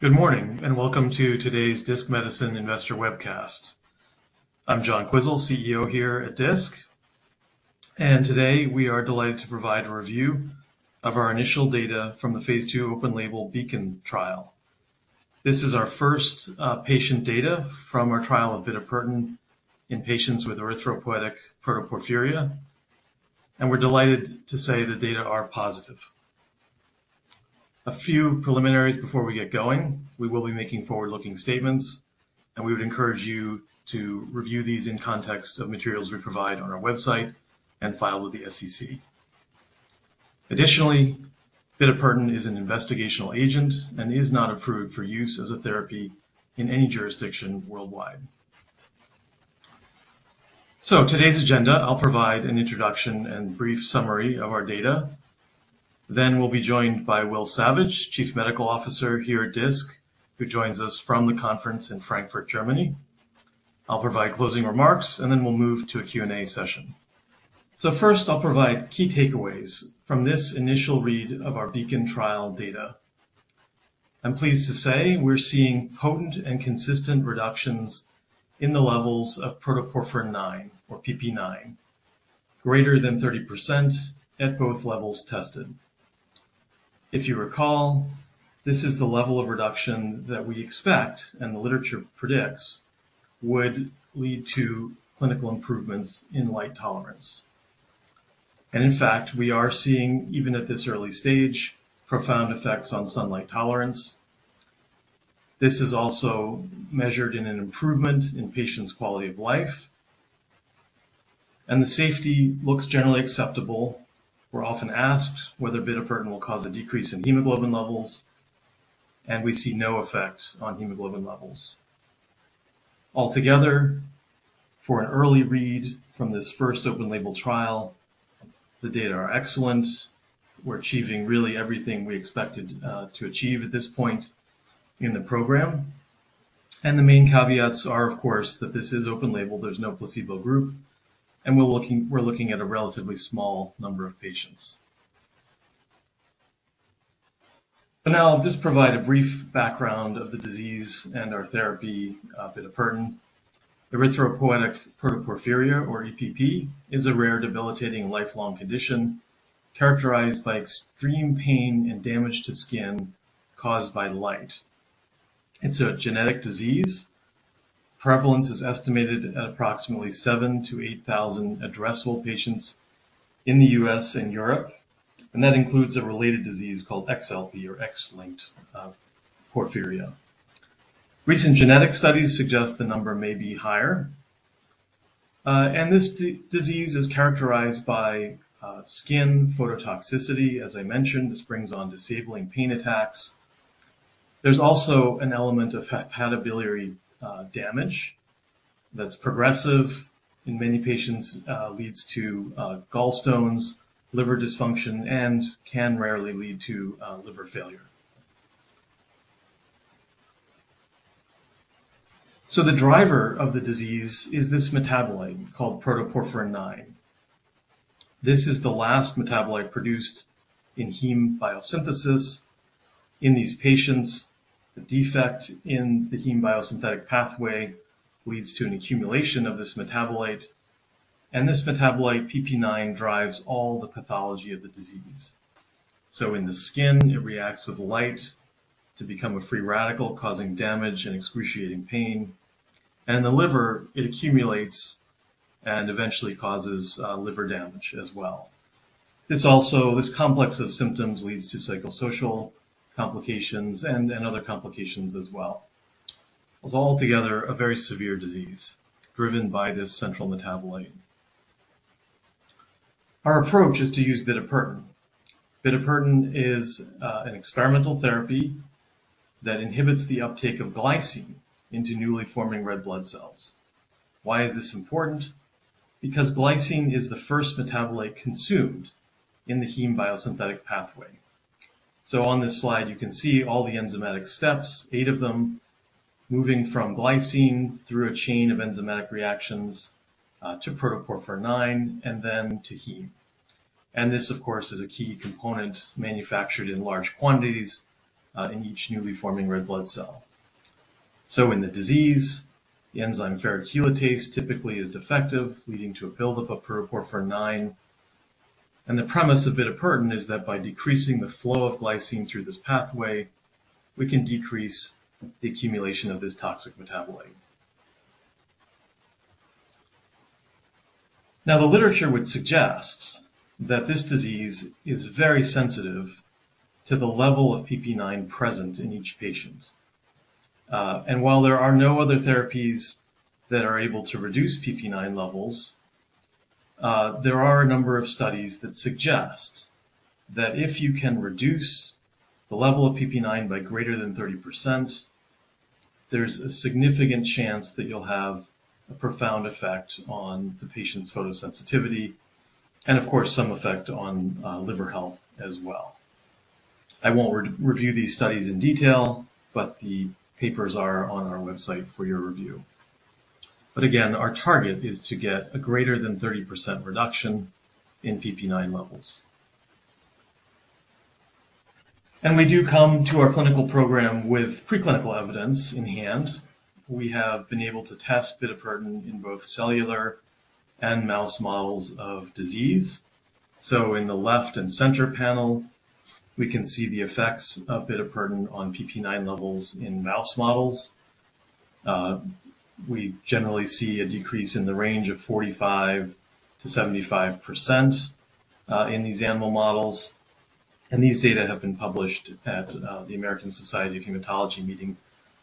Good morning, and welcome to today's Disc Medicine Investor Webcast. I'm John Quisel, CEO here at Disc, and today we are delighted to provide a review of our initial data from the Phase two open-label BEACON trial. This is our first patient data from our trial of bitopertin in patients with erythropoietic protoporphyria, and we're delighted to say the data are positive. A few preliminaries before we get going. We will be making forward-looking statements, and we would encourage you to review these in context of materials we provide on our website and filed with the SEC. Additionally, bitopertin is an investigational agent and is not approved for use as a therapy in any jurisdiction worldwide. Today's agenda, I'll provide an introduction and brief summary of our data. We'll be joined by Will Savage, Chief Medical Officer here at Disc, who joins us from the conference in Frankfurt, Germany. I'll provide closing remarks, then we'll move to a Q&A session. First, I'll provide key takeaways from this initial read of our BEACON trial data. I'm pleased to say we're seeing potent and consistent reductions in the levels of protoporphyrin IX, or PP9, greater than 30% at both levels tested. If you recall, this is the level of reduction that we expect and the literature predicts would lead to clinical improvements in light tolerance. In fact, we are seeing, even at this early stage, profound effects on sunlight tolerance. This is also measured in an improvement in patient's quality of life, the safety looks generally acceptable. We're often asked whether bitopertin will cause a decrease in hemoglobin levels, and we see no effect on hemoglobin levels. Altogether, for an early read from this first open-label trial, the data are excellent. We're achieving really everything we expected to achieve at this point in the program. The main caveats are, of course, that this is open-label, there's no placebo group, and we're looking at a relatively small number of patients. Now, I'll just provide a brief background of the disease and our therapy, bitopertin. Erythropoietic protoporphyria, or EPP, is a rare, debilitating, lifelong condition characterized by extreme pain and damage to skin caused by light. It's a genetic disease. Prevalence is estimated at approximately 7,000-8,000 addressable patients in the US and Europe, and that includes a related disease called XLP or X-linked porphyria. Recent genetic studies suggest the number may be higher. This disease is characterized by skin phototoxicity. As I mentioned, this brings on disabling pain attacks. There's also an element of hepatobiliary damage that's progressive in many patients, leads to gallstones, liver dysfunction, and can rarely lead to liver failure. The driver of the disease is this metabolite called protoporphyrin nine. This is the last metabolite produced in heme biosynthesis. In these patients, the defect in the heme biosynthetic pathway leads to an accumulation of this metabolite, and this metabolite, PP9, drives all the pathology of the disease. In the skin, it reacts with light to become a free radical, causing damage and excruciating pain. In the liver, it accumulates and eventually causes liver damage as well. This complex of symptoms leads to psychosocial complications and other complications as well. It's altogether a very severe disease driven by this central metabolite. Our approach is to use bitopertin. Bitopertin is an experimental therapy that inhibits the uptake of glycine into newly forming red blood cells. Why is this important? Glycine is the first metabolite consumed in the heme biosynthetic pathway. On this slide, you can see all the enzymatic steps, eight of them, moving from glycine through a chain of enzymatic reactions to protoporphyrin IX and then to heme. This, of course, is a key component, manufactured in large quantities in each newly forming red blood cell. In the disease, the enzyme ferrochelatase typically is defective, leading to a buildup of protoporphyrin IX. The premise of bitopertin is that by decreasing the flow of glycine through this pathway, we can decrease the accumulation of this toxic metabolite. The literature would suggest that this disease is very sensitive to the level of PP9 present in each patient. While there are no other therapies that are able to reduce PP9 levels, there are a number of studies that suggest that if you can reduce the level of PP9 by greater than 30%, there's a significant chance that you'll have a profound effect on the patient's photosensitivity, and of course, some effect on liver health as well. I won't review these studies in detail, but the papers are on our website for your review. Again, our target is to get a greater than 30% reduction in PP9 levels. We do come to our clinical program with preclinical evidence in hand. We have been able to test bitopertin in both cellular and mouse models of disease. In the left and center panel, we can see the effects of bitopertin on PP9 levels in mouse models. We generally see a decrease in the range of 45%-75% in these animal models, and these data have been published at the American Society of Hematology meeting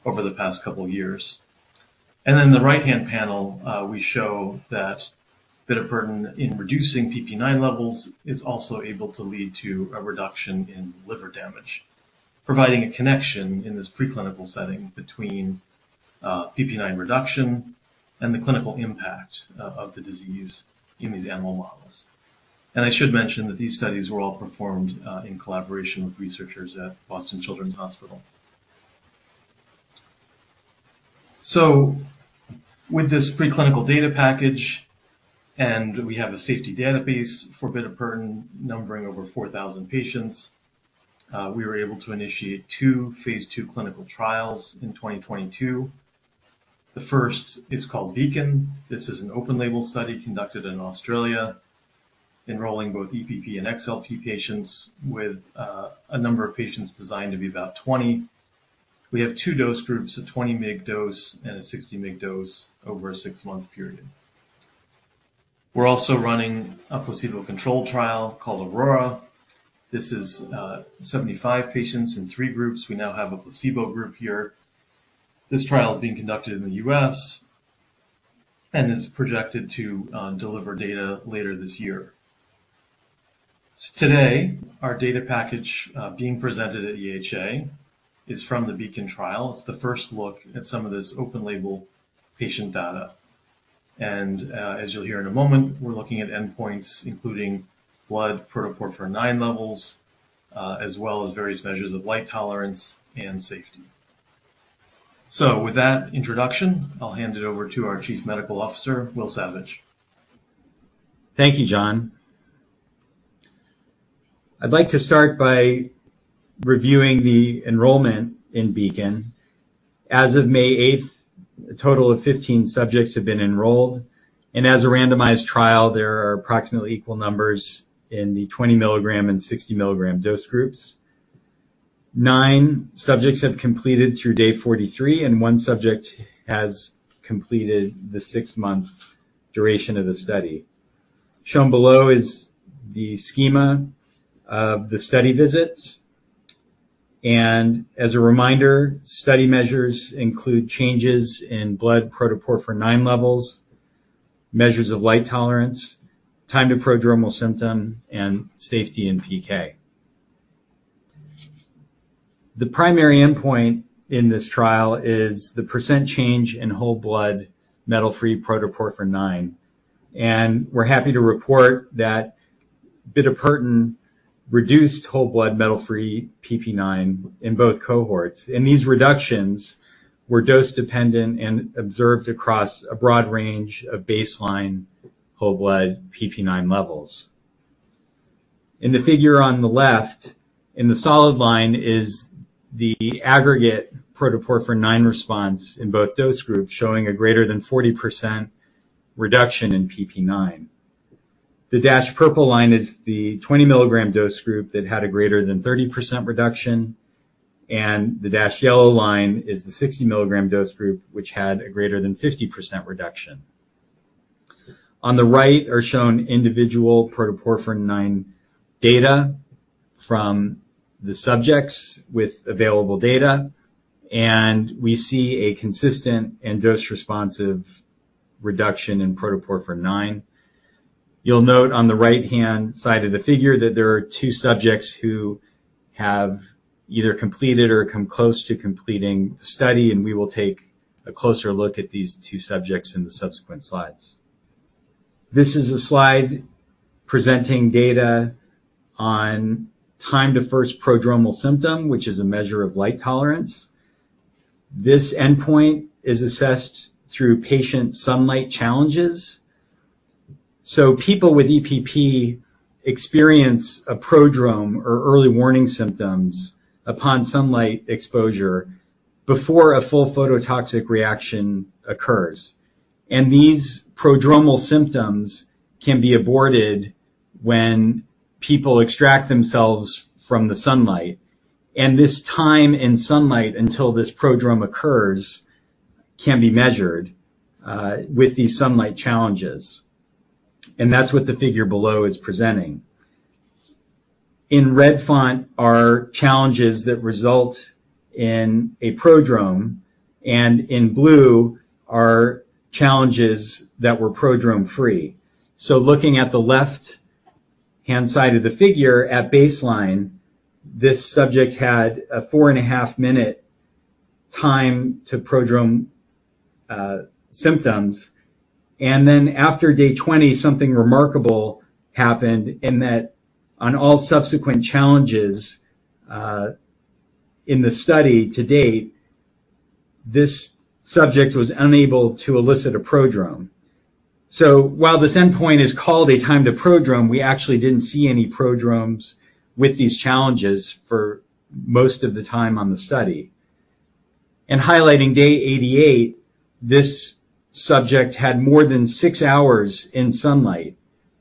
over the past couple of years. The right-hand panel, we show that bitopertin in reducing PP9 levels is also able to lead to a reduction in liver damage, providing a connection in this preclinical setting between PP9 reduction and the clinical impact of the disease in these animal models. I should mention that these studies were all performed in collaboration with researchers at Boston Children's Hospital. With this preclinical data package, and we have a safety database for Bitopertin, numbering over 4,000 patients, we were able to initiate two phase two clinical trials in 2022. The first is called BEACON. This is an open-label study conducted in Australia, enrolling both EPP and XLP patients with a number of patients designed to be about 20. We have two dose groups, a 20 mg dose and a 60 mg dose over a six month period. We're also running a placebo-controlled trial called AURORA. This is 75 patients in three groups. We now have a placebo group here. This trial is being conducted in the US and is projected to deliver data later this year. Today, our data package, being presented at EHA is from the BEACON trial. It's the first look at some of this open-label patient data, and, as you'll hear in a moment, we're looking at endpoints, including blood protoporphyrin nine levels, as well as various measures of light tolerance and safety. With that introduction, I'll hand it over to our Chief Medical Officer, Will Savage. Thank you, John. I'd like to start by reviewing the enrollment in BEACON. As of May eighth, a total of 15 subjects have been enrolled. As a randomized trial, there are approximately equal numbers in the 20 milligram and 60 milligram dose groups. Nine subjects have completed through day 43. One subject has completed the 6-month duration of the study. Shown below is the schema of the study visits. As a reminder, study measures include changes in blood protoporphyrin IX levels, measures of light tolerance, time to prodromal symptom, and safety and PK. The primary endpoint in this trial is the % change in whole blood metal-free protoporphyrin IX. We're happy to report that bitopertin reduced whole blood metal-free PP9 in both cohorts. These reductions were dose-dependent and observed across a broad range of baseline whole blood PP9 levels. In the figure on the left, in the solid line is the aggregate protoporphyrin IX response in both dose groups, showing a greater than 40% reduction in PP9. The dashed purple line is the 20 milligram dose group that had a greater than 30% reduction. The dashed yellow line is the 60 milligram dose group, which had a greater than 50% reduction. On the right are shown individual protoporphyrin IX data from the subjects with available data, we see a consistent and dose-responsive reduction in protoporphyrin IX. You'll note on the right-hand side of the figure that there are two subjects who have either completed or come close to completing the study, we will take a closer look at these two subjects in the subsequent slides. This is a slide presenting data on time to first prodromal symptom, which is a measure of light tolerance. This endpoint is assessed through patient sunlight challenges. People with EPP experience a prodrome or early warning symptoms upon sunlight exposure before a full phototoxic reaction occurs. These prodromal symptoms can be aborted when people extract themselves from the sunlight, and this time in sunlight until this prodrome occurs, can be measured with these sunlight challenges. That's what the figure below is presenting. In red font are challenges that result in a prodrome, and in blue are challenges that were prodrome free. Looking at the left-hand side of the figure at baseline, this subject had a 4.5-minute time to prodrome symptoms, and then after day 20, something remarkable happened in that on all subsequent challenges. in the study to date, this subject was unable to elicit a prodrome. While this endpoint is called a time to prodrome, we actually didn't see any prodromes with these challenges for most of the time on the study. Highlighting day 88, this subject had more than 6 hours in sunlight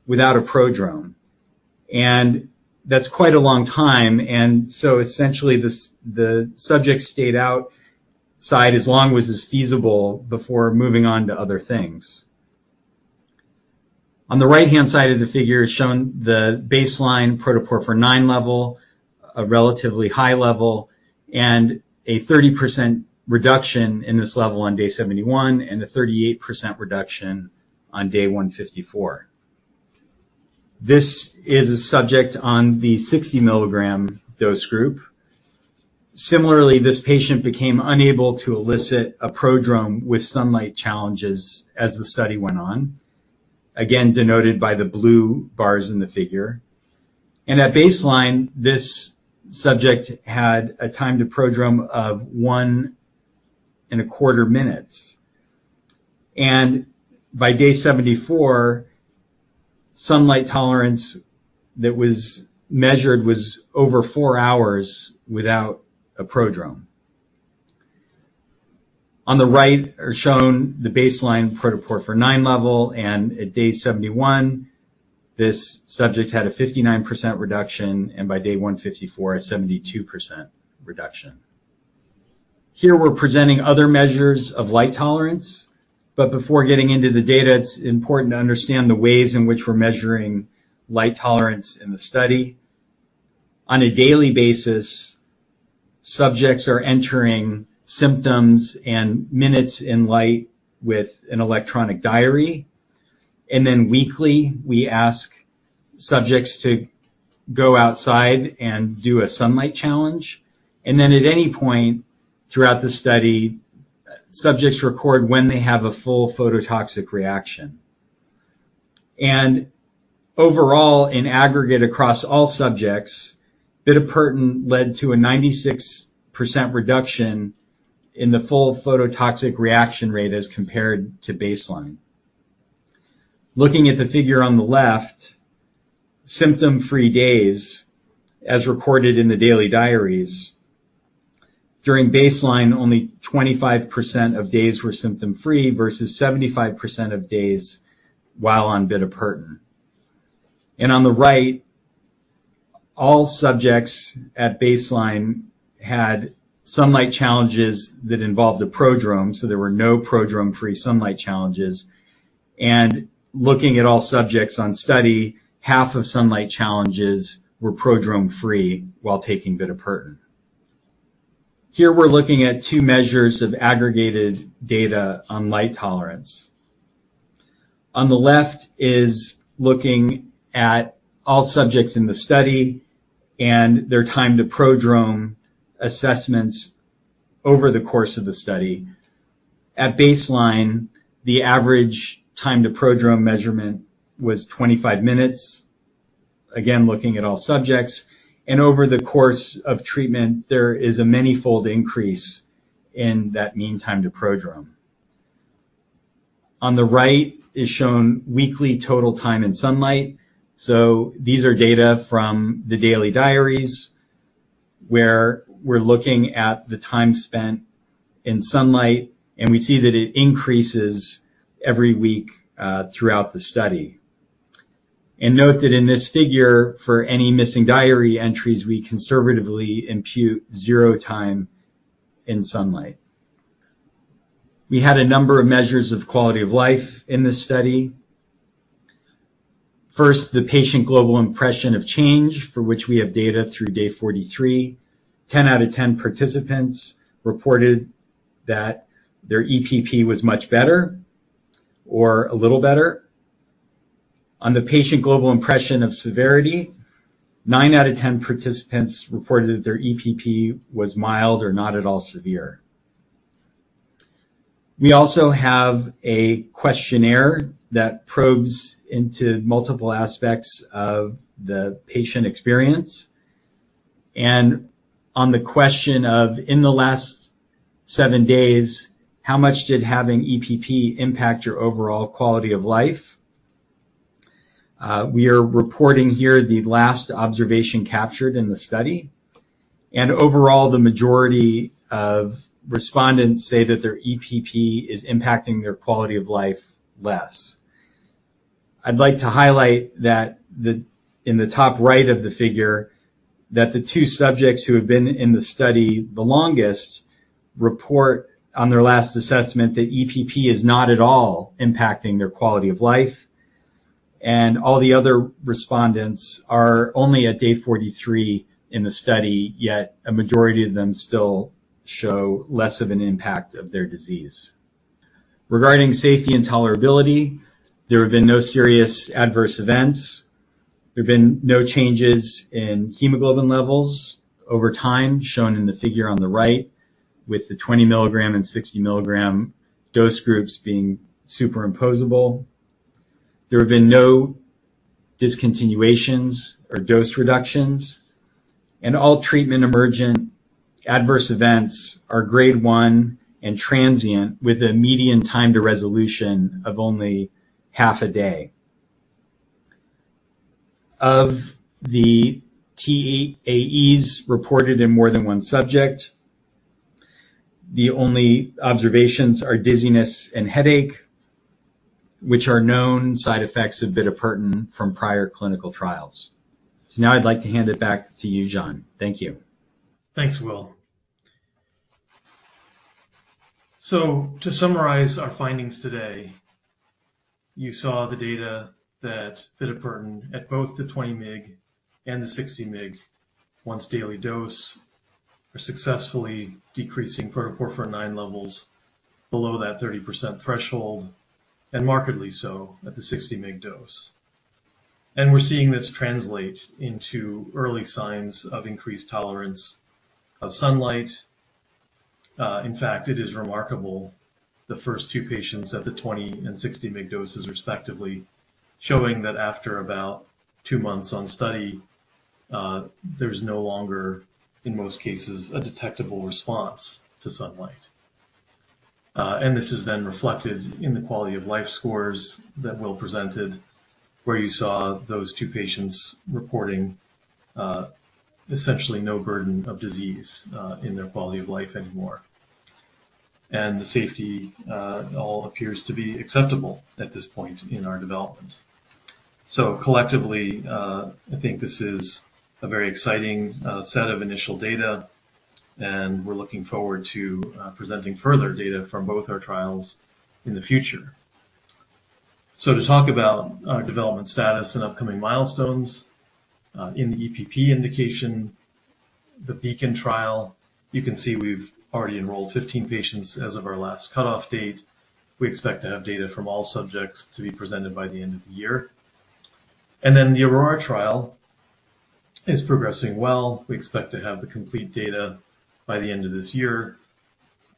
without a prodrome, and that's quite a long time. Essentially, this, the subject stayed outside as long as was feasible before moving on to other things. On the right-hand side of the figure is shown the baseline protoporphyrin IX level, a relatively high level, a 30% reduction in this level on day 71, and a 38% reduction on day 154. This is a subject on the 60 milligram dose group. Similarly, this patient became unable to elicit a prodrome with sunlight challenges as the study went on. Again, denoted by the blue bars in the figure. At baseline, this subject had a time to prodrome of 1 and a quarter minutes. By day 74, sunlight tolerance that was measured was over four hours without a prodrome. On the right are shown the baseline protoporphyrin IX level, and at day 71, this subject had a 59% reduction, and by day 154, a 72% reduction. Here, we're presenting other measures of light tolerance, but before getting into the data, it's important to understand the ways in which we're measuring light tolerance in the study. On a daily basis, subjects are entering symptoms and minutes in light with an electronic diary. Then weekly, we ask subjects to go outside and do a sunlight challenge, and then at any point throughout the study, subjects record when they have a full phototoxic reaction. Overall, in aggregate, across all subjects, bitopertin led to a 96% reduction in the full phototoxic reaction rate as compared to baseline. Looking at the figure on the left, symptom-free days, as recorded in the daily diaries, during baseline, only 25% of days were symptom-free, versus 75% of days while on bitopertin. On the right, all subjects at baseline had sunlight challenges that involved a prodrome, so there were no prodrome-free sunlight challenges. Looking at all subjects on study, half of sunlight challenges were prodrome-free while taking bitopertin. Here, we're looking at two measures of aggregated data on light tolerance. On the left is looking at all subjects in the study and their time to prodrome assessments over the course of the study. At baseline, the average time to prodrome measurement was 25 minutes. Again, looking at all subjects, and over the course of treatment, there is a manyfold increase in that mean time to prodrome. On the right is shown weekly total time in sunlight. These are data from the daily diaries, where we're looking at the time spent in sunlight, and we see that it increases every week throughout the study. Note that in this figure, for any missing diary entries, we conservatively impute zero time in sunlight. We had a number of measures of quality of life in this study. First, the Patient Global Impression of Change, for which we have data through day 43. 10 out of 10 participants reported that their EPP was much better or a little better. On the Patient Global Impression of Severity, nine out of 10 participants reported that their EPP was mild or not at all severe. We also have a questionnaire that probes into multiple aspects of the patient experience. On the question of, "In the last seven days, how much did having EPP impact your overall quality of life?" we are reporting here the last observation captured in the study. Overall, the majority of respondents say that their EPP is impacting their quality of life less. I'd like to highlight that in the top right of the figure, that the two subjects who have been in the study the longest, report on their last assessment that EPP is not at all impacting their quality of life, and all the other respondents are only at day 43 in the study, yet a majority of them still show less of an impact of their disease. Regarding safety and tolerability, there have been no serious adverse events. There have been no changes in hemoglobin levels over time, shown in the figure on the right, with the 20 milligram and 60 milligram dose groups being superimposable. There have been no discontinuations or dose reductions, and all treatment-emergent adverse events are grade one and transient, with a median time to resolution of only half a day. Of the TEAEs reported in more than one subject, the only observations are dizziness and headache, which are known side effects of bitopertin from prior clinical trials. Now I'd like to hand it back to you, John. Thank you. Thanks, Will. To summarize our findings today, you saw the data that bitopertin at both the 20 mg and the 60 mg once-daily dose are successfully decreasing protoporphyrin IX levels below that 30% threshold, and markedly so at the 60 mg dose. We're seeing this translate into early signs of increased tolerance of sunlight. In fact, it is remarkable, the two patients at the 20 and 60 mg doses, respectively, showing that after about two months on study, there's no longer, in most cases, a detectable response to sunlight. This is then reflected in the quality of life scores that Will presented, where you saw those two patients reporting, essentially no burden of disease, in their quality of life anymore. The safety, all appears to be acceptable at this point in our development. collectively, I think this is a very exciting set of initial data, and we're looking forward to presenting further data from both our trials in the future. To talk about our development status and upcoming milestones, in the EPP indication, the BEACON trial, you can see we've already enrolled 15 patients as of our last cutoff date. We expect to have data from all subjects to be presented by the end of the year. The AURORA trial is progressing well. We expect to have the complete data by the end of this year,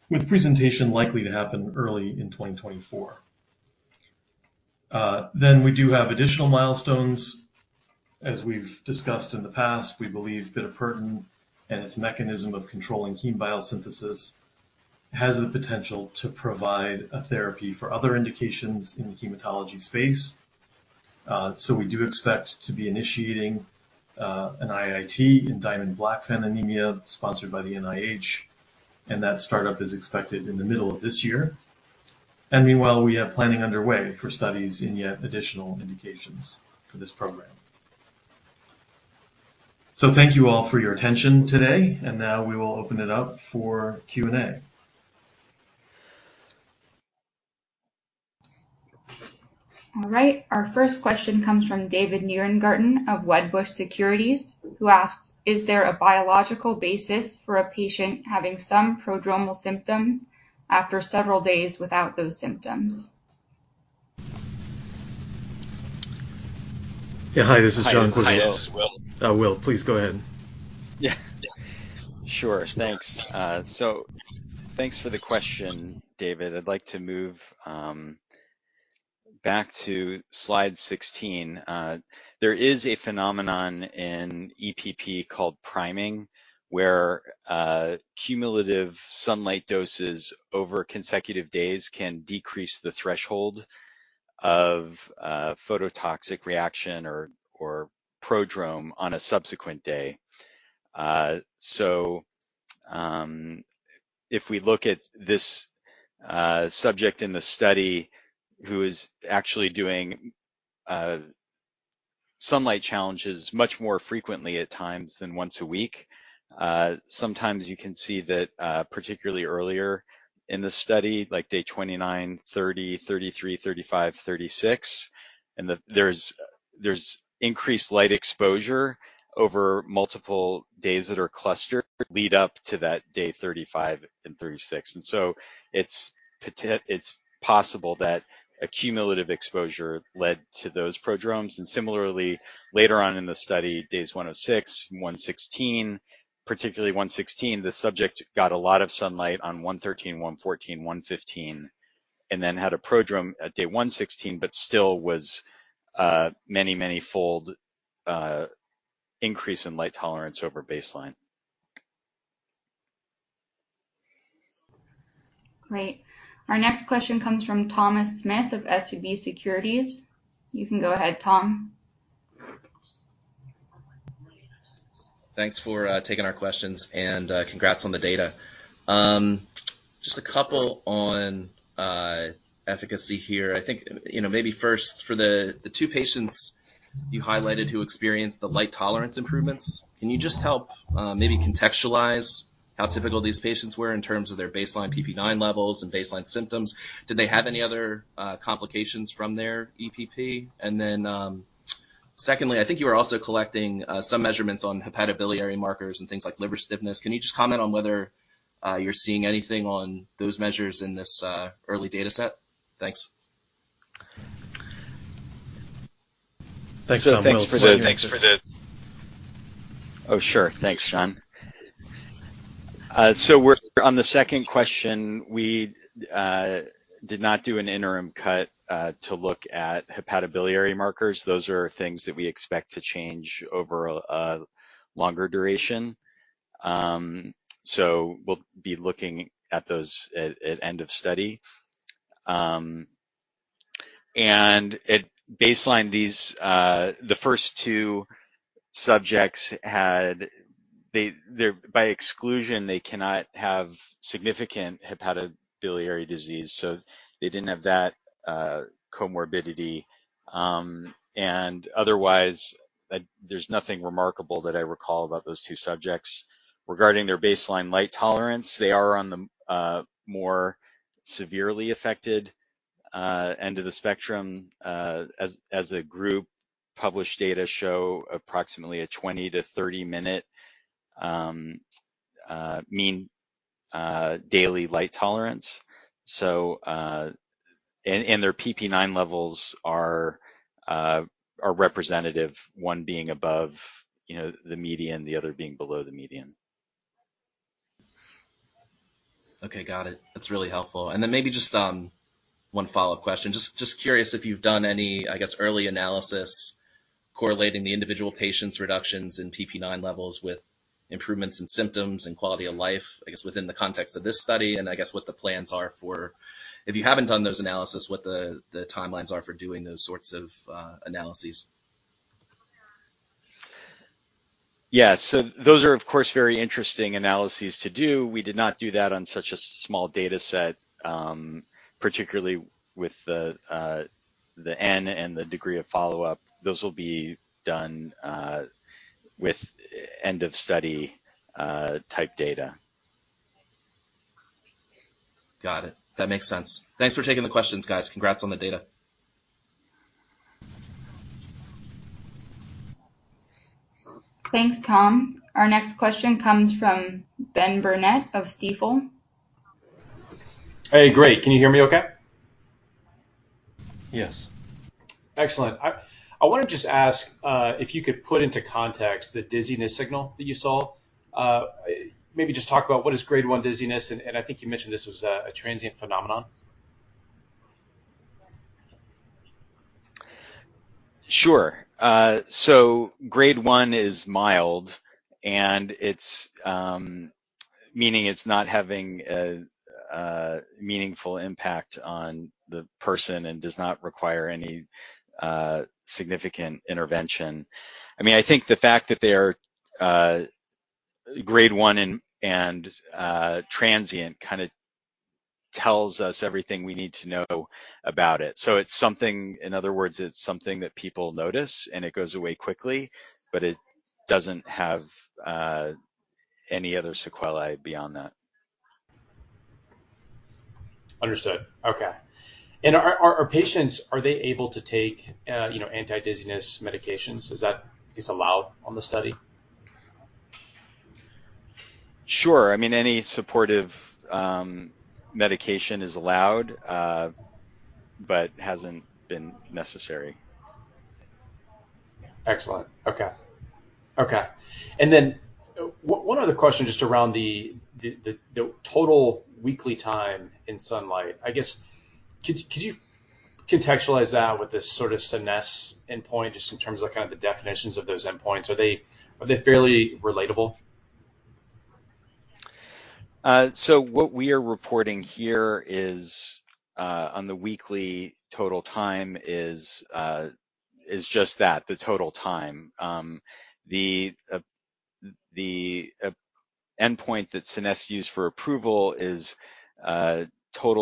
with presentation likely to happen early in 2024. We do have additional milestones. As we've discussed in the past, we believe bitopertin and its mechanism of controlling heme biosynthesis has the potential to provide a therapy for other indications in the hematology space. We do expect to be initiating an IIT in Diamond-Blackfan anemia, sponsored by the NIH, and that startup is expected in the middle of this year. Meanwhile, we have planning underway for studies in yet additional indications for this program. Thank you all for your attention today, and now we will open it up for Q&A. All right. Our first question comes from David Nierengarten of Wedbush Securities, who asks, "Is there a biological basis for a patient having some prodromal symptoms after several days without those symptoms? Yeah. Hi, this is John Quisel. Hi, this is Will. Will, please go ahead. Yeah. Sure. Thanks. Thanks for the question, David. I'd like to move back to slide 16. There is a phenomenon in EPP called priming, where cumulative sunlight doses over consecutive days can decrease the threshold of a phototoxic reaction or prodrome on a subsequent day. If we look at this subject in the study, who is actually doing sunlight challenges much more frequently at times than once a week, sometimes you can see that particularly earlier in the study, like day 29, 30, 33, 35, 36, and there's increased light exposure over multiple days that are clustered lead up to that day 35 and 36. It's possible that a cumulative exposure led to those prodromes. Similarly, later on in the study, days 106, 116, particularly 116, the subject got a lot of sunlight on 113, 114, 115, and then had a prodrome at day 116, but still was, many, manyfold, increase in light tolerance over baseline. Great. Our next question comes from Thomas Smith of SVB Securities. You can go ahead, Tom. Thanks for taking our questions, and congrats on the data. Just a couple on efficacy here. I think, you know, maybe first for the two patients you highlighted who experienced the light tolerance improvements, can you just help maybe contextualize how typical these patients were in terms of their baseline PP9 levels and baseline symptoms? Did they have any other complications from their EPP? Secondly, I think you were also collecting some measurements on hepatobiliary markers and things like liver stiffness. Can you just comment on whether you're seeing anything on those measures in this early data set? Thanks. Thanks, Tom. Oh, sure. Thanks, John. We're, on the second question, we did not do an interim cut to look at hepatobiliary markers. Those are things that we expect to change over a longer duration. We'll be looking at those at end of study. At baseline, these the first two subjects by exclusion, they cannot have significant hepatobiliary disease, they didn't have that comorbidity. Otherwise, there's nothing remarkable that I recall about those two subjects. Regarding their baseline light tolerance, they are on the more severely affected end of the spectrum. As a group, published data show approximately a 20-30-minute mean daily light tolerance. And their PP9 levels are representative, one being above, you know, the median, the other being below the median. Okay, got it. That's really helpful. Then maybe just, one follow-up question. Just curious if you've done any, I guess, early analysis correlating the individual patients' reductions in PP9 levels with improvements in symptoms and quality of life, I guess, within the context of this study? I guess what the plans are for... If you haven't done those analysis, what the timelines are for doing those sorts of, analyses. Yeah. Those are, of course, very interesting analyses to do. We did not do that on such a small data set, particularly with the N and the degree of follow-up. Those will be done with end-of-study type data. Got it. That makes sense. Thanks for taking the questions, guys. Congrats on the data! Thanks, Tom. Our next question comes from Ben Burnett of Stifel. Hey, great. Can you hear me okay? Yes. Excellent. I wanna just ask if you could put into context the dizziness signal that you saw. Maybe just talk about what is grade one dizziness, and I think you mentioned this was a transient phenomenon. Sure. So grade one is mild, and it's meaning it's not having a meaningful impact on the person and does not require any significant intervention. I think the fact that they are grade one and transient tells us everything we need to know about it. In other words, it's something that people notice, and it goes away quickly, but it doesn't have any other sequelae beyond that. Understood. Okay. Are patients, are they able to take, you know, anti-dizziness medications? Is that allowed on the study? Sure. Any supportive medication is allowed, but hasn't been necessary. Excellent. Okay. Okay. One other question, just around the total weekly time in sunlight. I guess, could you contextualize that with the sort of Scenesse endpoint, just in terms of the definitions of those endpoints? Are they fairly relatable? What we are reporting here is on the weekly total time is just that, the total time. The endpoint that Scenesse used for approval is total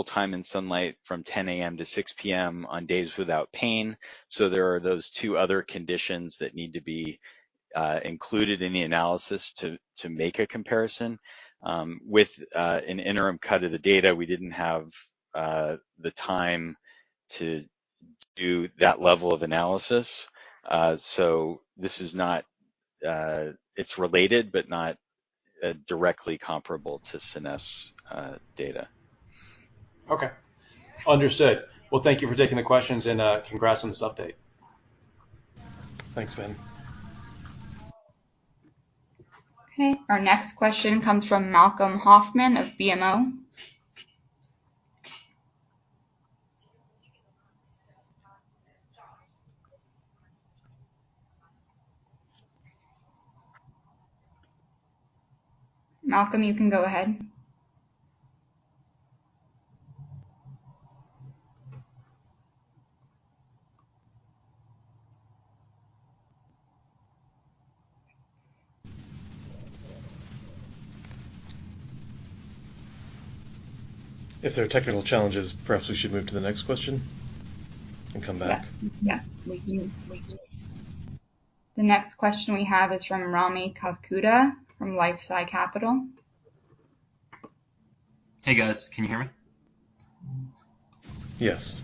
time in sunlight from 10:00 A.M. to 6:00 P.M. on days without pain. There are those two other conditions that need to be included in the analysis to make a comparison. With an interim cut of the data, we didn't have the time to do that level of analysis. This is not... it's related, but not directly comparable to Scenesse data. Okay. Understood. Well, thank you for taking the questions, and, congrats on this update. Thanks, Ben. Okay, our next question comes from Malcolm Hoffman of BMO. Malcolm, you can go ahead. If there are technical challenges, perhaps we should move to the next question and come back. Yes. Yes, we can. The next question we have is from Rami Kalla from Life Sci Capital. Hey, guys, can you hear me? Yes.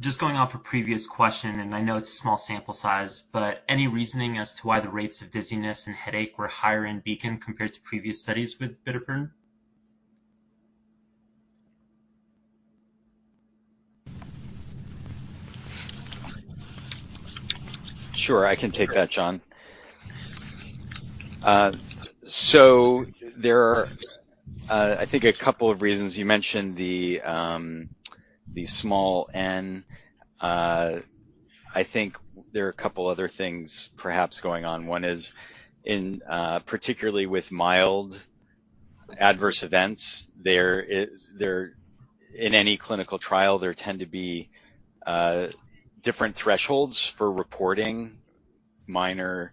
Just going off a previous question, and I know it's a small sample size, but any reasoning as to why the rates of dizziness and headache were higher in BEACON compared to previous studies with bitopertin? Sure, I can take that, John. There are, I think a couple of reasons. You mentioned the small N. I think there are a couple other things perhaps going on. One is in particularly with mild adverse events, in any clinical trial, there tend to be different thresholds for reporting minor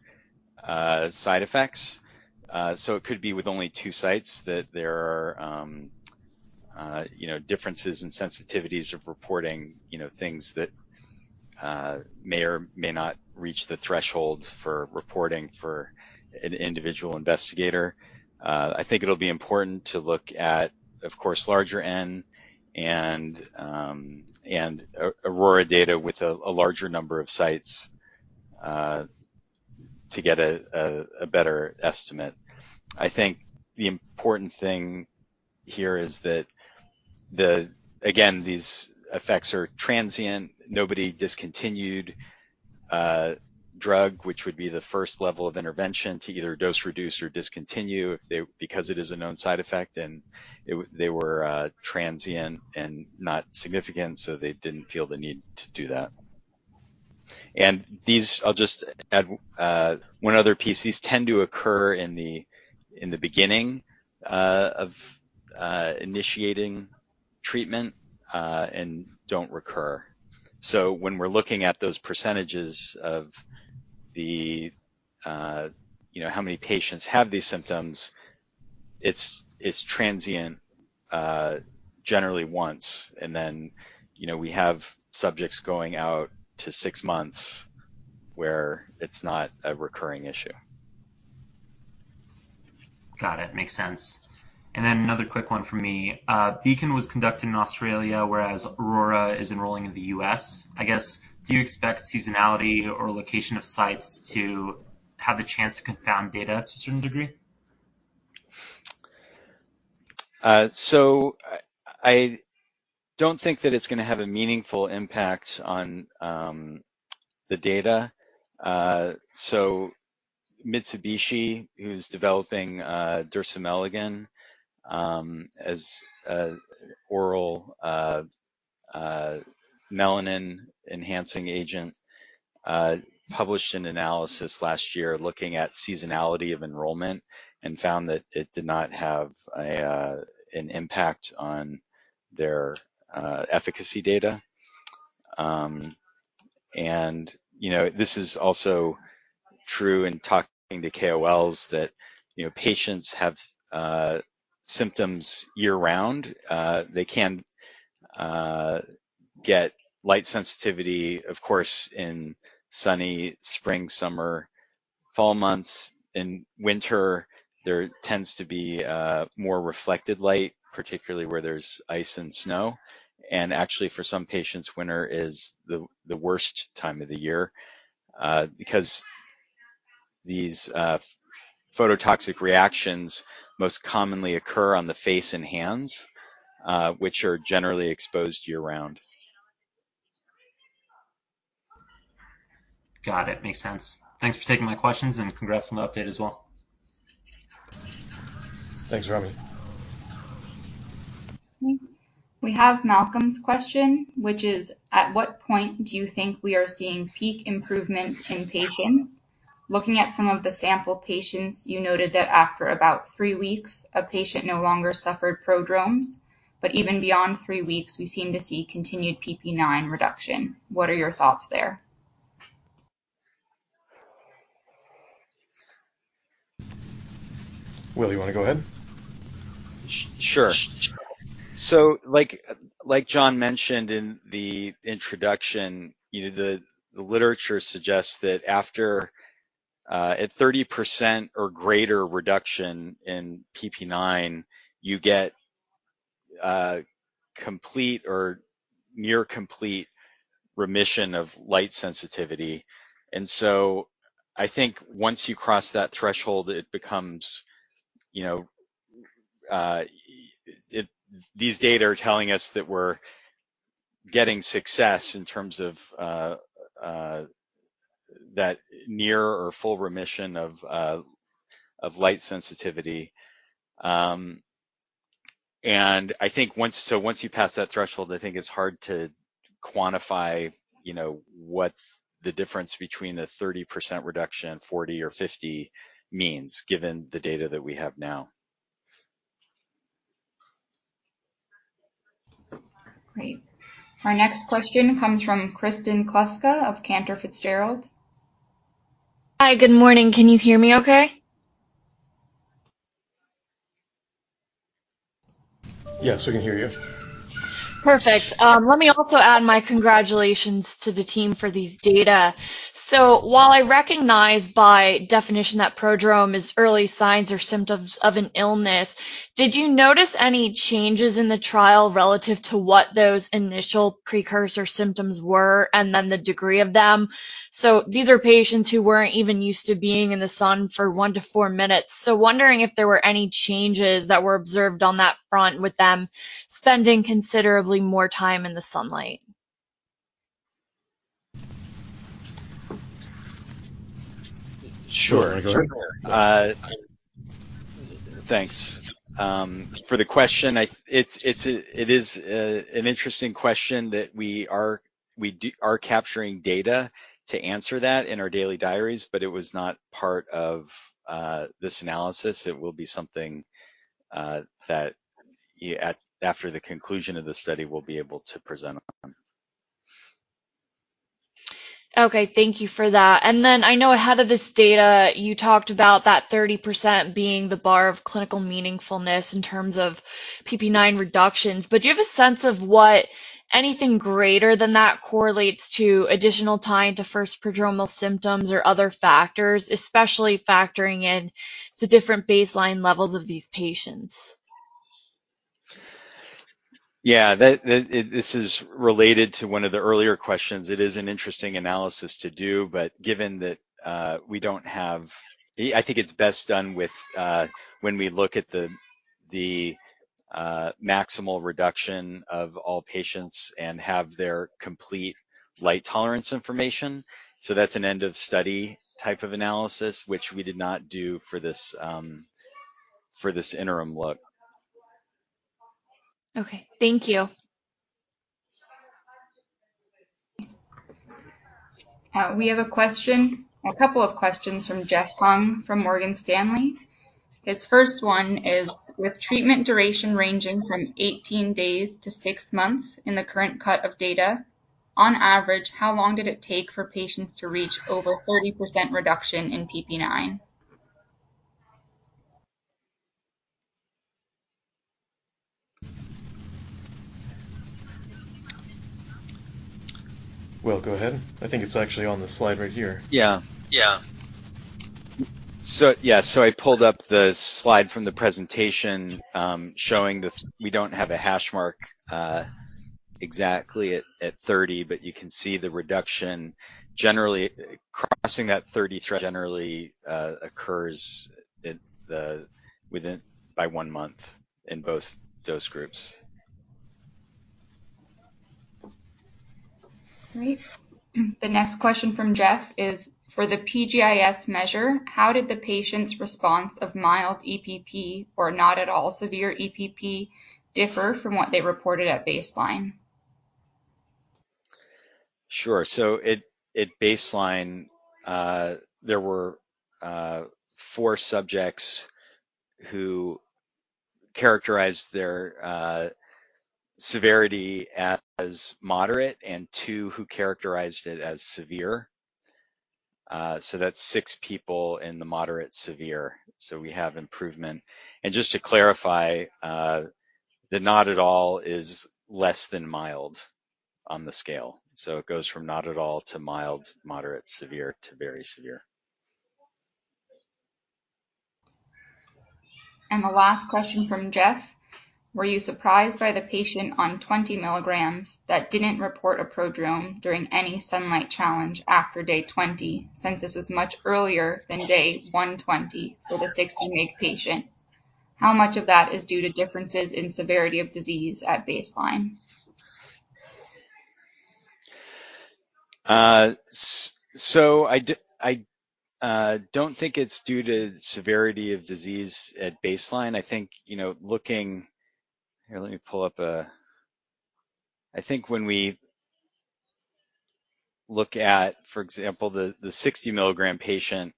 side effects. It could be with only two sites that there are, you know, differences in sensitivities of reporting, you know, things that may or may not reach the threshold for reporting for an individual investigator. I think it'll be important to look at, of course, larger N and AURORA data with a larger number of sites to get a better estimate. I think the important thing here is that the... Again, these effects are transient. Nobody discontinued drug, which would be the first level of intervention to either dose reduce or discontinue if they, because it is a known side effect, and they were transient and not significant, so they didn't feel the need to do that. These, I'll just add one other piece. These tend to occur in the beginning of initiating treatment and don't recur. When we're looking at those percentages of the, you know, how many patients have these symptoms, it's transient, generally once, and then, you know, we have subjects going out to 6 months, where it's not a recurring issue. Got it. Makes sense. Then another quick one from me. BEACON was conducted in Australia, whereas AURORA is enrolling in the U.S. I guess, do you expect seasonality or location of sites to have a chance to confound data to a certain degree? I don't think that it's gonna have a meaningful impact on the data. Mitsubishi, who's developing dersimelagon, as an oral melanin-enhancing agent, published an analysis last year looking at seasonality of enrollment and found that it did not have an impact on their efficacy data. You know, this is also true in talking to KOLs that, you know, patients have symptoms year-round. They can get light sensitivity, of course, in sunny spring, summer, fall months. In winter, there tends to be more reflected light, particularly where there's ice and snow. Actually, for some patients, winter is the worst time of the year, because these phototoxic reactions most commonly occur on the face and hands, which are generally exposed year-round. Got it. Makes sense. Thanks for taking my questions, and congrats on the update as well. Thanks, Rami. We have Malcolm's question, which is: At what point do you think we are seeing peak improvement in patients? Looking at some of the sample patients, you noted that after about three weeks, a patient no longer suffered prodromes. Even beyond three weeks, we seem to see continued PP9 reduction. What are your thoughts there? Will, you wanna go ahead? Sure. Like John mentioned in the introduction, you know, the literature suggests that after a 30% or greater reduction in PP9, you get complete or near complete remission of light sensitivity. I think once you cross that threshold, it becomes, you know, These data are telling us that we're getting success in terms of that near or full remission of light sensitivity. I think once you pass that threshold, I think it's hard to quantify, you know, what's the difference between the 30% reduction, 40% or 50% means, given the data that we have now. Great. Our next question comes from Kristen Kluska of Cantor Fitzgerald. Hi, good morning. Can you hear me okay? Yes, we can hear you. Perfect. Let me also add my congratulations to the team for these data. While I recognize by definition that prodrome is early signs or symptoms of an illness, did you notice any changes in the trial relative to what those initial precursor symptoms were, and then the degree of them? These are patients who weren't even used to being in the sun for one to four minutes. Wondering if there were any changes that were observed on that front with them spending considerably more time in the sunlight? Sure, sure. Thanks for the question. I, it is an interesting question that we are capturing data to answer that in our daily diaries. It was not part of this analysis. It will be something that, at, after the conclusion of the study, we'll be able to present on. Okay, thank you for that. I know ahead of this data, you talked about that 30% being the bar of clinical meaningfulness in terms of PP9 reductions. Do you have a sense of what anything greater than that correlates to additional time to first prodromal symptoms or other factors, especially factoring in the different baseline levels of these patients? Yeah, this is related to one of the earlier questions. Given that, I think it's best done with when we look at the maximal reduction of all patients and have their complete light tolerance information. That's an end-of-study type of analysis, which we did not do for this for this interim look. Okay. Thank you. We have a question, a couple of questions from Jeffrey Hung from Morgan Stanley. His first one is: With treatment duration ranging from 18 days to six months in the current cut of data, on average, how long did it take for patients to reach over 40% reduction in PP9? Well, go ahead. I think it's actually on the slide right here. Yeah. Yeah. I pulled up the slide from the presentation, showing we don't have a hash mark exactly at 30, but you can see the reduction. Generally, crossing that 30 threat occurs within by one month in both dose groups. Great. The next question from Jeff is: For the PGIS measure, how did the patient's response of mild EPP or not at all severe EPP differ from what they reported at baseline? Sure. At, at baseline, there were four subjects who characterized their severity as moderate and two who characterized it as severe. That's 6 people in the moderate/severe. We have improvement. Just to clarify, the not at all is less than mild on the scale. It goes from not at all to mild, moderate, severe, to very severe. The last question from Jeff: Were you surprised by the patient on 20 mg that didn't report a prodrome during any sunlight challenge after day 20, since this was much earlier than day 120 for the 60 mg patients? How much of that is due to differences in severity of disease at baseline? I don't think it's due to severity of disease at baseline. I think, you know, I think when we look at, for example, the 60-milligram patient,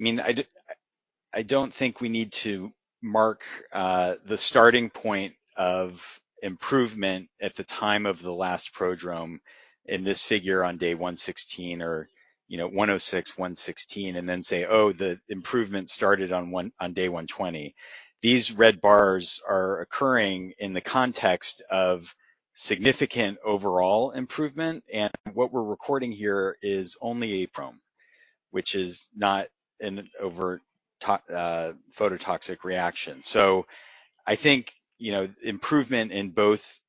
I don't think we need to mark the starting point of improvement at the time of the last prodrome in this figure on day 116 or, you know, 106, 116, and then say, "Oh, the improvement started on day 120." These red bars are occurring in the context of significant overall improvement, and what we're recording here is only a prodrome, which is not a phototoxic reaction. I think, you know, improvement in both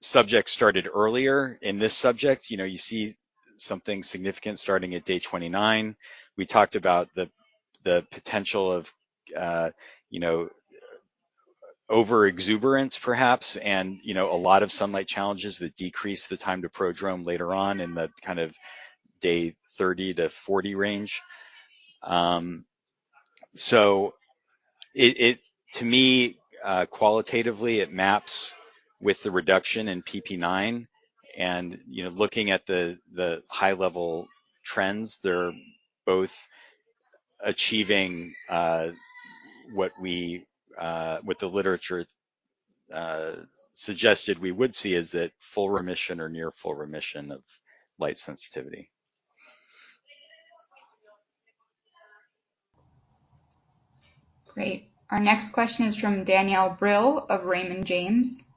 subjects started earlier in this subject. You know, you see something significant starting at day 29. We talked about the potential of, you know, overexuberance, perhaps, and, you know, a lot of sunlight challenges that decrease the time to prodrome later on in the day 30 to 40 range. So it, to me, qualitatively, it maps with the reduction in PP9. Looking at the high-level trends, they're both achieving what we, what the literature suggested we would see is that full remission or near full remission of light sensitivity. Great. Our next question is from Danielle Brill of Raymond James.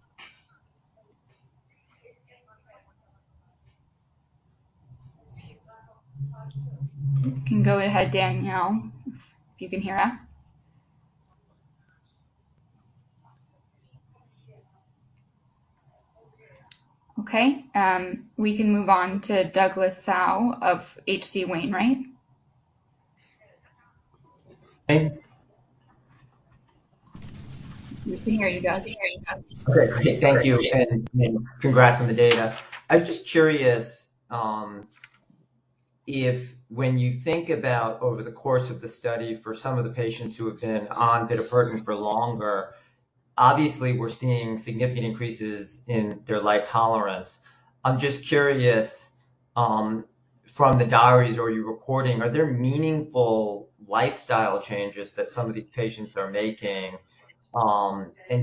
You can go ahead, Danielle, if you can hear us. Okay, we can move on to Douglas Tsao of H.C. Wainwright. Hey. Can you hear me? Okay, great. Thank you, and congrats on the data. I was just curious, if when you think about over the course of the study, for some of the patients who have been on bitopertin for longer, obviously we're seeing significant increases in their light tolerance. I'm just curious, from the diaries or your recording, are there meaningful lifestyle changes that some of these patients are making?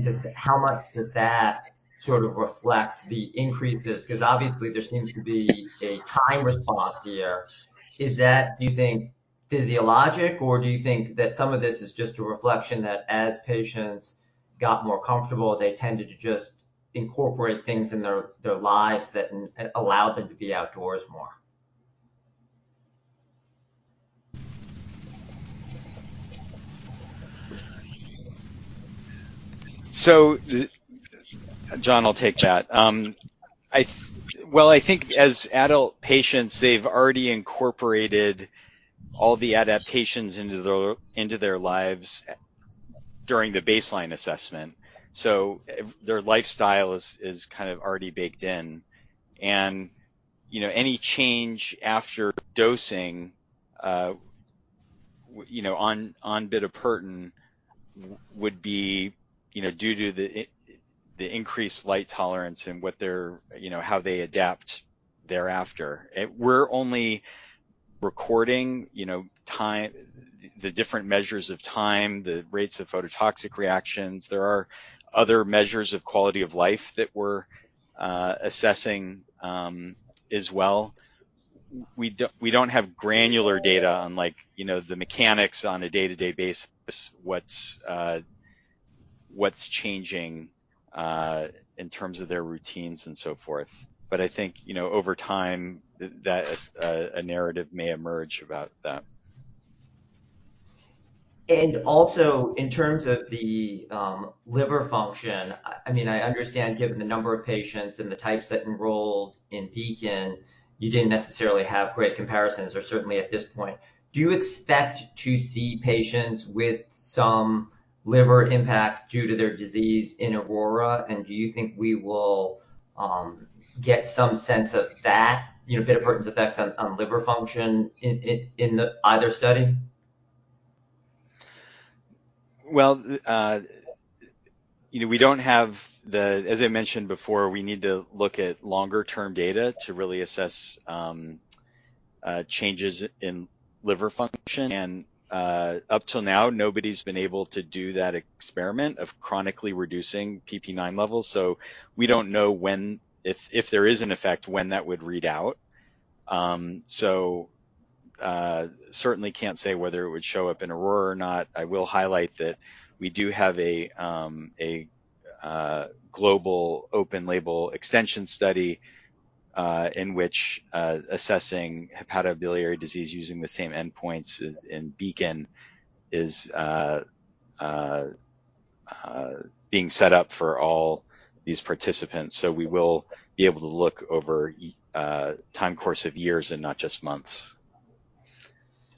Just how much does that sort of reflect the increases? 'Cause obviously, there seems to be a time response here. Is that, do you think, physiologic, or do you think that some of this is just a reflection that as patients got more comfortable, they tended to just incorporate things in their lives that allow them to be outdoors more? John, I'll take that. Well, I think as adult patients, they've already incorporated all the adaptations into their lives during the baseline assessment. Their lifestyle is already baked in, and, you know, any change after dosing, you know, on bitopertin would be, you know, due to the increased light tolerance and what their... you know, how they adapt thereafter. We're only recording, you know, time, the different measures of time, the rates of phototoxic reactions. There are other measures of quality of life that we're assessing as well. We don't have granular data on like, you know, the mechanics on a day-to-day basis, what's changing in terms of their routines and so forth. I think, you know, over time, that as, a narrative may emerge about that. Also, in terms of the liver function,, I understand given the number of patients and the types that enrolled in BEACON, you didn't necessarily have great comparisons, or certainly at this point. Do you expect to see patients with some liver impact due to their disease in AURORA? Do you think we will get some sense of that, you know, bitopertin's effect on liver function in the either study? Well, you know, we don't have. As I mentioned before, we need to look at longer-term data to really assess changes in liver function. Up till now, nobody's been able to do that experiment of chronically reducing PP9 levels, so we don't know when, if there is an effect, when that would read out. Certainly can't say whether it would show up in AURORA or not. I will highlight that we do have a global open-label extension study in which assessing hepatobiliary disease using the same endpoints as in BEACON is being set up for all these participants. We will be able to look over time course of years and not just months.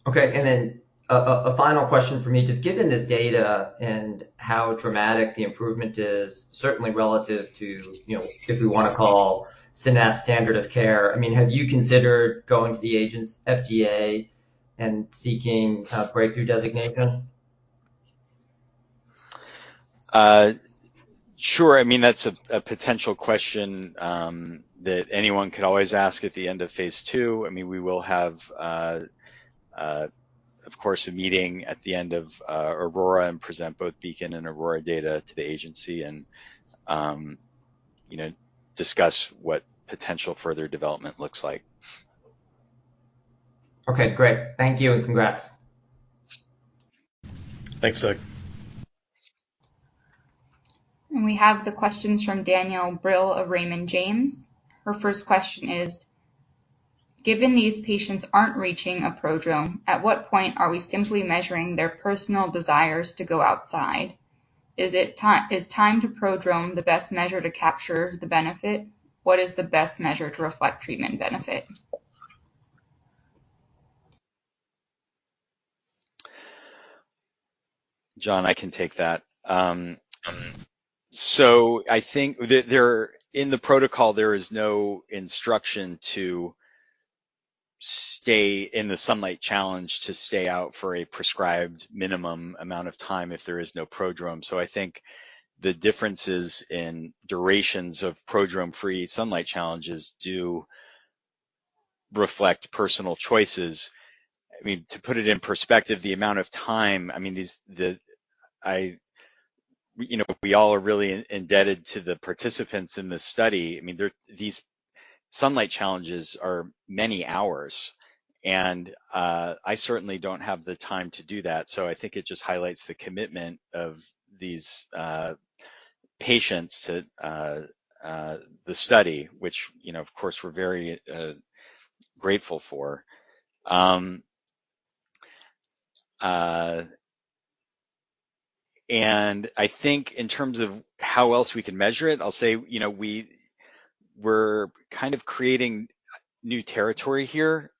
Okay, a final question from me. Just given this data and how dramatic the improvement is, certainly relative to, you know, if we wanna call Scenesse standard of care, have you considered going to the agents FDA and seeking Breakthrough designation? Sure. That's a potential question that anyone could always ask at the end of phase 2. We will have, of course, a meeting at the end of AURORA and present both BEACON and AURORA data to the agency and, you know, discuss what potential further development looks like. Okay, great. Thank you. Congrats. Thanks, Nick. We have the questions from Danielle Brill of Raymond James. Her first question is: Given these patients aren't reaching a prodrome, at what point are we simply measuring their personal desires to go outside? Is time to prodrome the best measure to capture the benefit? What is the best measure to reflect treatment benefit? John, I can take that. I think that in the protocol, there is no instruction to stay in the sunlight challenge, to stay out for a prescribed minimum amount of time if there is no prodrome. I think the differences in durations of prodrome-free sunlight challenges do reflect personal choices. To put it in perspective, the amount of time, these, the, you know, we all are really indebted to the participants in this study. These sunlight challenges are many hours, and I certainly don't have the time to do that. I think it just highlights the commitment of these patients to the study, which, you know, of course, we're very grateful for. I think in terms of how else we can measure it, I'll say, you know, We're creating new territory here,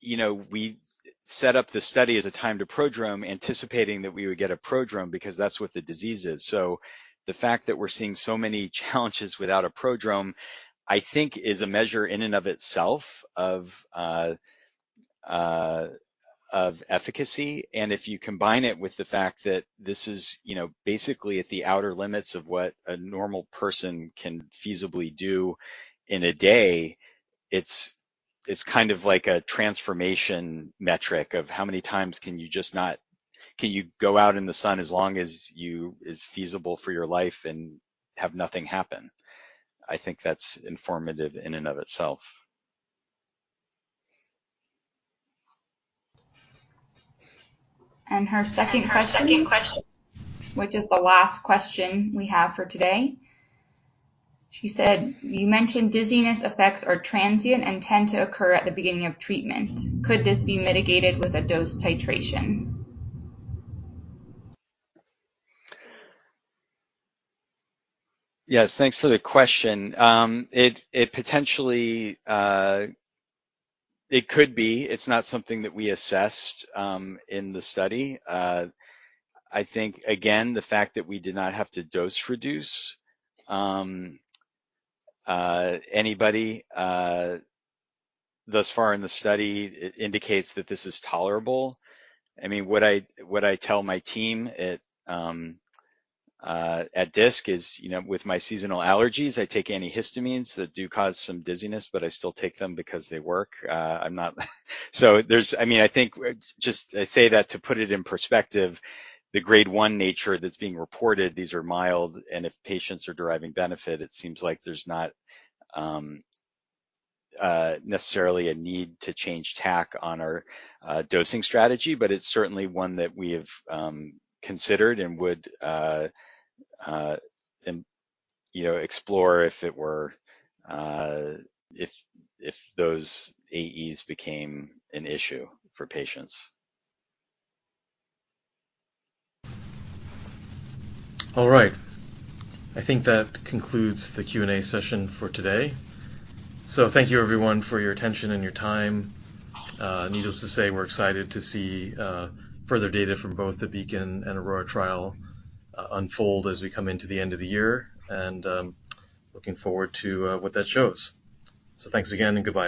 you know, we set up the study as a time to prodrome, anticipating that we would get a prodrome because that's what the disease is. The fact that we're seeing so many challenges without a prodrome, I think is a measure in and of itself of efficacy. If you combine it with the fact that this is, you know, basically at the outer limits of what a normal person can feasibly do in a day, it's like a transformation metric of how many times can you go out in the sun as long as you, is feasible for your life and have nothing happen? I think that's informative in and of itself. Her second question, which is the last question we have for today. She said: "You mentioned dizziness effects are transient and tend to occur at the beginning of treatment. Could this be mitigated with a dose titration? Yes, thanks for the question. It potentially could be. It's not something that we assessed in the study. I think, again, the fact that we did not have to dose reduce anybody thus far in the study, it indicates that this is tolerable. What I tell my team at Disc is, you know, with my seasonal allergies, I take antihistamines that do cause some dizziness, but I still take them because they work. I'm not so there's... I think just I say that to put it in perspective, the grade one nature that's being reported, these are mild, and if patients are deriving benefit, it seems like there's not necessarily a need to change tack on our dosing strategy, but it's certainly one that we have considered and would, and, you know, explore if it were if those AEs became an issue for patients. All right. I think that concludes the Q&A session for today. Thank you, everyone, for your attention and your time. Needless to say, we're excited to see further data from both the BEACON and AURORA trials unfold as we come into the end of the year, and looking forward to what that shows. Thanks again, and goodbye.